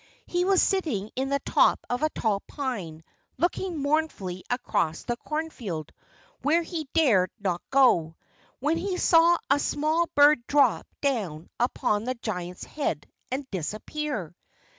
He was sitting in the top of a tall pine, looking mournfully across the cornfield, where he dared not go, when he saw a small bird drop down upon the giant's head and disappear.